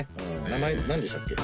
名前何でしたっけ？